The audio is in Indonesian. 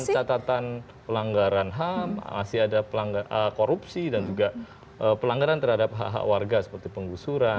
catatan pelanggaran ham masih ada korupsi dan juga pelanggaran terhadap hak hak warga seperti penggusuran